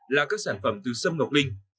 là các sản phẩm từ sâm gọc linh